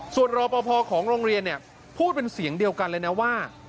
ส่วนรอปภของโรงเรียนพูดเป็นเสียงเดียวกันเลยนะว่า